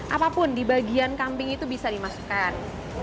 apapun di bagian kambing itu bisa dimasukkan